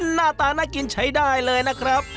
หน้าตาน่ากินใช้ได้เลยนะครับ